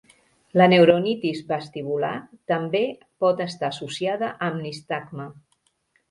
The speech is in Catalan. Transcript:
La neuronitis vestibular també pot estar associada amb nistagme.